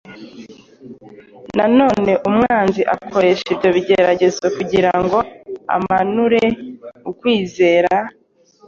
Na none umwanzi akoresha ibyo bigeragezo kugira ngo amanure ukwizera